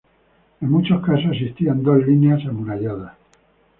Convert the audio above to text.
En muchos casos existían dos líneas amuralladas.